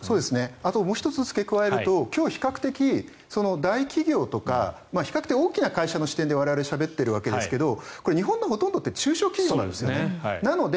１つつけ加えると今日比較的大企業とか比較的大きな会社の視点で我々しゃべっていますが日本のほとんどは中小企業なんですね。